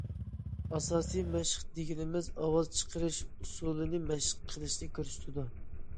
ئاساسىي مەشىق دېگىنىمىز ئاۋاز چىقىرىش ئۇسۇلىنى مەشىق قىلىشنى كۆرسىتىدۇ.